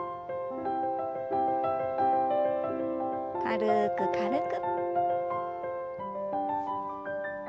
軽く軽く。